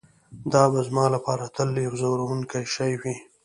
دا به زما لپاره تل یو ځورونکی شی وي